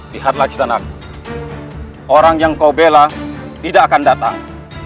lihatlah citanak orang yang kau bela tidak akan datang